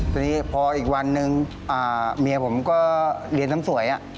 ตอนนี้พออีกวันนึงเมียผมก็เรียนเสริมสวย